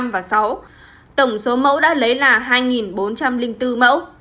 năm và sáu tổng số mẫu đã lấy là hai bốn trăm linh bốn mẫu